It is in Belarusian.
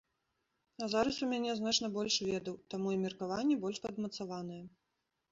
А зараз у мяне значна больш ведаў, таму і меркаванне больш падмацаванае.